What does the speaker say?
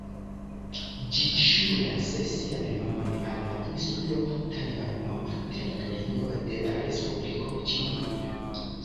Ĝi ŝuldas sian nomon al la insulo Tajvano, teritorio de la Respubliko Ĉinio.